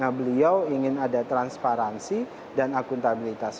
nah beliau ingin ada transparansi dan akuntabilitas